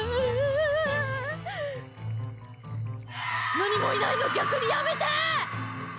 何もいないの逆にやめて！